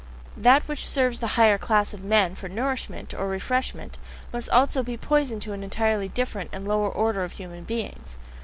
That which serves the higher class of men for nourishment or refreshment, must be almost poison to an entirely different and lower order of human beings.